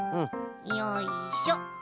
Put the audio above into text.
よいしょ。